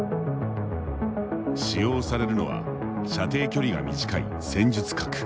使用されるのは射程距離が短い戦術核。